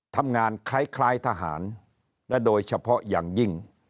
ทำงานคล้ายทหารและโดยเฉพาะอย่างยิ่ง